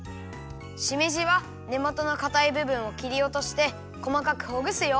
しめじはねもとのかたいぶぶんをきりおとしてこまかくほぐすよ。